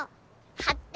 はって！